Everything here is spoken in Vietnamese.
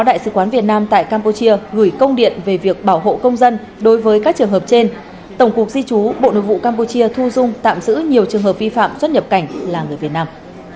đại sứ quán việt nam tại campuchia gửi công điện về việc bảo hộ công dân đối với các trường hợp trên tổng cục di chú bộ nội vụ campuchia thu dung tạm giữ nhiều trường hợp vi phạm xuất nhập cảnh là người việt nam